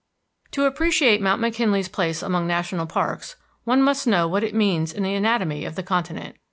To appreciate Mount McKinley's place among national parks, one must know what it means in the anatomy of the continent.